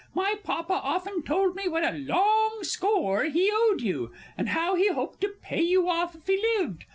My Papa often told me what a long score he owed you, and how he hoped to pay you off if he lived.